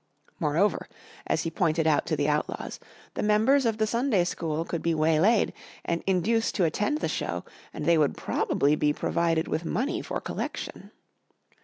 Moreover, as he pointed out to the Outlaws, the members of the Sunday School could be waylaid and induced to attend the show and they would probably be provided with money for collection.